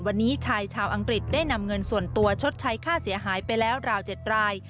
วันนี้ชายชาวอังกฤษได้นำเงินส่วนตัวชดใช้ค่าเสียหายไปแล้วราว๗ราย